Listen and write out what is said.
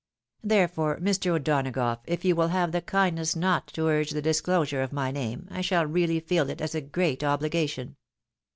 Therefore, Mr. O'Donagough, if you wUl have the kindness not to urge the disclosure of my name, I shall really feel it as a great obligation."